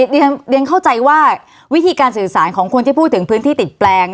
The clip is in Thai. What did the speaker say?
เรียนเข้าใจว่าวิธีการสื่อสารของคนที่พูดถึงพื้นที่ติดแปลง